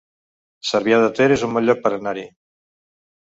Cervià de Ter es un bon lloc per anar-hi